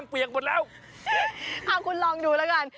เอ้าคุณลองดูละกัน